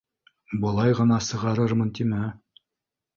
Былай ғына сығарырмын тимә!